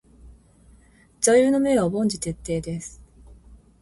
座右の銘は凡事徹底です。